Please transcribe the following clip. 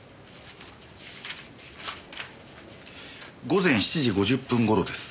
午前７時５０分頃です。